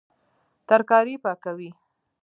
ترکاري پاکوي